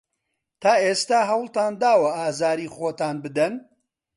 تا ئێستا هەوڵتان داوە ئازاری خۆتان بدەن؟